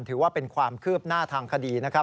ถือว่าเป็นความคืบหน้าทางคดีนะครับ